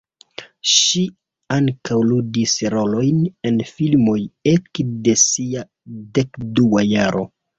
Ŝi ankaŭ ludis rolojn en filmoj ekde sia dekdua jaro.